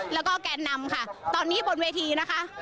แล้วก็แกนนำค่ะตอนนี้บนเวทีนะคะ